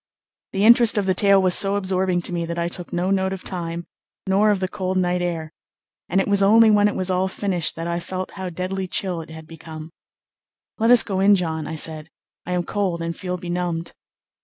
The interest of the tale was so absorbing to me that I took no note of time, nor of the cold night air, and it was only when it was all finished that I felt how deadly chill it had become. "Let us go in, John," I said; "I am cold and feel benumbed."